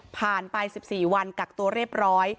ไป๑๔วันกักตัวเรียบร้อย